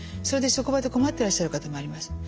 それで職場で困ってらっしゃる方もいます。